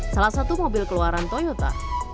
salah satu mobil keluaran toyota